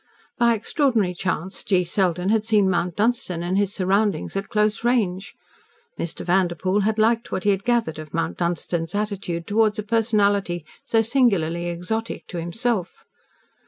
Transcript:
By extraordinary chance G. Selden had seen Mount Dunstan and his surroundings at close range. Mr. Vanderpoel had liked what he had gathered of Mount Dunstan's attitude towards a personality so singularly exotic to himself.